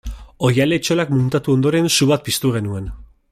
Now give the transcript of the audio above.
Oihal-etxolak muntatu ondoren su bat piztu genuen.